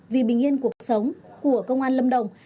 vì bình yên cuộc sống của công an lâm đồng